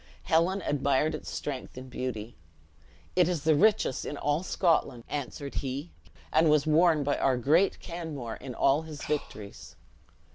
Helen admired its strength and beauty. "It is the richest in all Scotland," answered he; "and was worn by our great Canmore in all his victories."